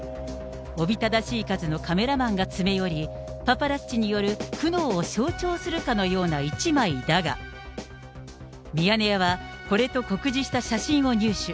おびただしい数のカメラマンが詰め寄り、パパラッチによる苦悩を象徴するかのような一枚だが、ミヤネ屋は、これと酷似した写真を入手。